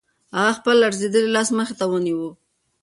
هغه خپل لړزېدلی لاس مخې ته ونیو.